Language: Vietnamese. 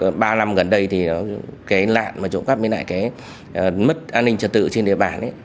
ba năm gần đây thì cái lạn mà chỗ pháp mới lại cái mất an ninh chất tự trên địa bàn